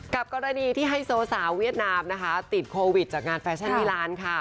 กลับกรณีที่ให้โซสาเวียดนามติดโควิดจากงานแฟชั่นวีร้านค่ะ